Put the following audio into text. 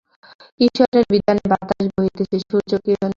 ঈশ্বরের বিধানে বাতাস বহিতেছে, সূর্য কিরণ দিতেছে।